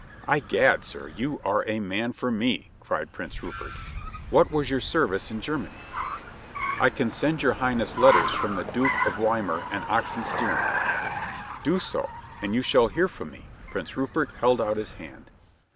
"I'gad, sir, you are a man for me," cried Prince Rupert. "What was your service in Germany?" "I can send your Highness letters from the Duke of Weimar and Oxenstierna." "Do so, and you shall hear from me," Prince Rupert held out his hand.